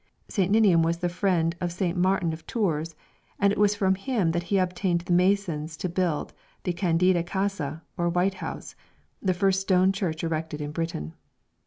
St. Ninian was the friend of St. Martin of Tours, and it was from him that he obtained masons to build the Candida Casa or White House, the first stone church erected in Britain.